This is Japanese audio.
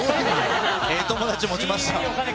ええ友達持ちましたわ。